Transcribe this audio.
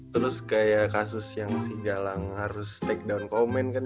terus kayak kasus yang si galang harus take down komen kan